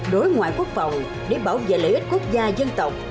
đối ngoại quốc phòng để bảo vệ lợi ích quốc gia dân tộc